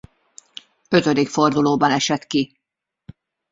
Ötödik fordulóban esett ki.